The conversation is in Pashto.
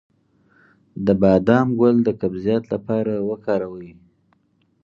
د بادام ګل د قبضیت لپاره وکاروئ